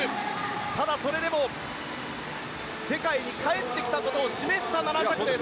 ただそれでも世界に帰ってきたことを示した７着です。